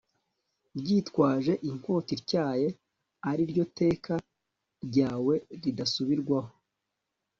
ryitwaje inkota ityaye, ari ryo teka ryawe ridasubirwaho